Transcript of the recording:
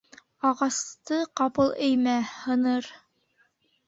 Ағасты ҡапыл эймә: һыныр.